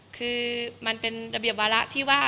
คือมันเป็นระเบียบวาระที่ว่า